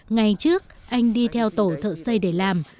ngày trước anh đi theo tổ thợ xây để làm